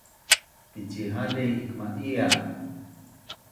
Picihali ikma’ia